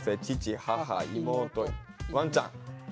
父母妹ワンちゃん。